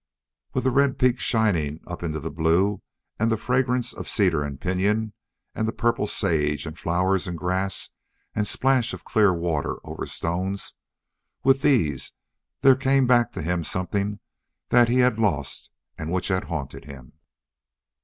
With the red peaks shining up into the blue, and the fragrance of cedar and pinyon, and the purple sage and flowers and grass and splash of clear water over stones with these there came back to him something that he had lost and which had haunted him.